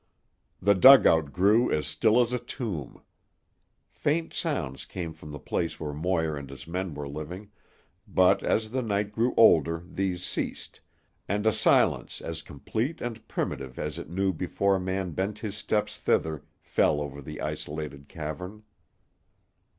The dugout grew as still as a tomb. Faint sounds came from the place where Moir and his men were living, but as the night grew older these ceased, and a silence as complete and primitive as it knew before man bent his steps thither fell over the isolated cavern.